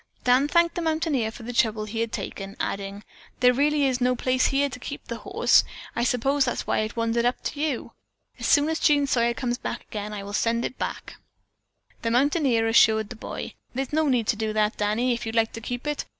Dan thanked the mountaineer for the trouble he had taken, adding, "There really is no place here to keep the horse. I suppose that is why it wandered up to you. As soon as Jean Sawyer comes again, I will send it back." The mountaineer assured the boy: "No need to do that, Danny, if you'd like to keep it.